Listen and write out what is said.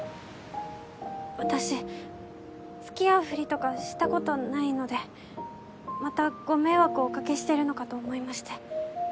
私付き合うふりとかしたことないのでまたご迷惑をおかけしてるのかと思いまして。